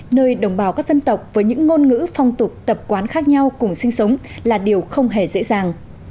nơi đồng bào các dân tộc với những ngôn ngữ phong tục tập quán khác nhau cùng sinh sống là điều không hề dễ dàng